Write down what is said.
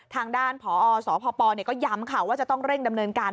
ทางด้านผอสพปก็ย้ำค่ะว่าจะต้องเร่งดำเนินการ